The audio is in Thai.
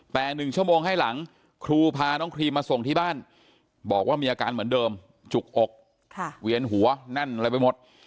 แต่๑ชั่วโมงให้หลังครูพาน้องครีมมาส่งที่บ้านบอกว่ามีอาการเหมือนเดิมจุกอกเวียนหัวแน่นอะไรไปหมด